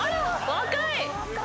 若い。